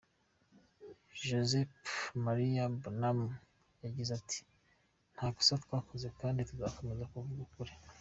Josep Maria Bartomeu yagize ati: “ Nta kosa twakoze kandi tuzakomeza kuvuga ukuri.